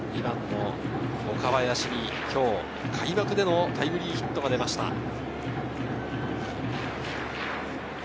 ２番の岡林に今日開幕でのタイムリーヒットが出ました。